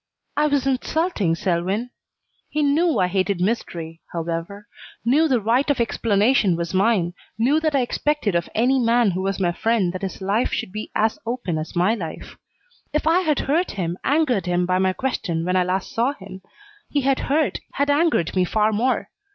I was insulting Selwyn. He knew I hated mystery, however, knew the right of explanation was mine, knew that I expected of any man who was my friend that his life should be as open as my life. If I had hurt him, angered him by my question when I last saw him, he had hurt, had angered me far more.